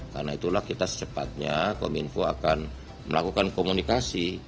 karena itulah kita secepatnya kominfo akan melakukan komunikasi